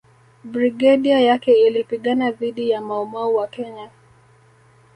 Brigadia yake ilipigana dhidi ya Mau Mau wa Kenya